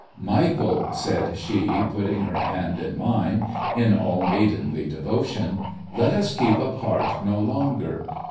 ' Michael !' said she, putting her hand in mine, in all maidenly devotion, ' let us keep apart no longer.